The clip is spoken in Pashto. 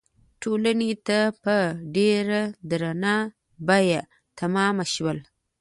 ټولنې ته په ډېره درنه بیه تمام شول.